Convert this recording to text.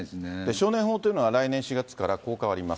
少年法というのは来年４月からこう変わります。